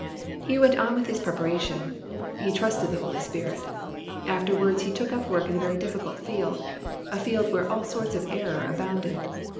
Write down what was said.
He went on with his preparation. He trusted the Holy Spirit. Afterwards he took up work in a very difficult field, a field where all sorts of error abounded.